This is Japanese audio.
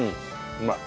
うまい。